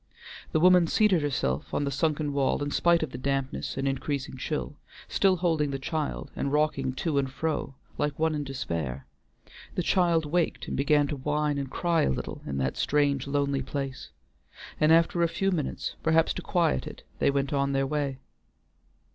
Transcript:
The woman seated herself on the sunken wall in spite of the dampness and increasing chill, still holding the child, and rocking to and fro like one in despair. The child waked and began to whine and cry a little in that strange, lonely place, and after a few minutes, perhaps to quiet it, they went on their way.